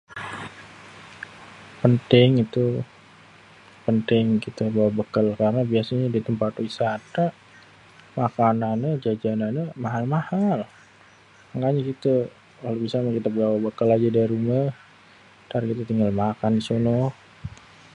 penting itu, penting kite bawa bekel karne biasenye di tampat wisata makananeh jajananeh mahal-mahal apelagi kite misalnye bawa bekel aje udeh dari rumeh tar kite tinggal makan di sonoh